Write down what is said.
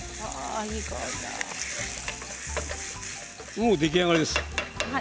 もう出来上がりです。